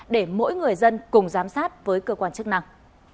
để mỗi người dân cùng giám sát với cơ quan chức năng